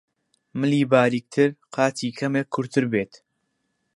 ملی باریکتر، قاچی کەمێک کورتتر بێت